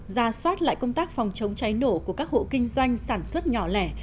ra soát lại công tác phòng chống cháy nổ của các hộ kinh doanh sản xuất nhỏ lẻ